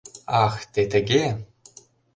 Ах, те тыге?!